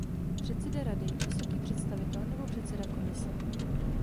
Předseda Rady, vysoký představitel nebo předseda Komise?